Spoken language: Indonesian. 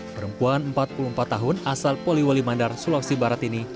perempuan empat puluh empat tahun asal poliwali mandar sulawesi barat ini